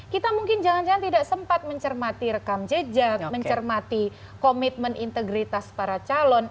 kita mungkin jangan jangan tidak sempat mencermati rekam jejak mencermati komitmen integritas para calon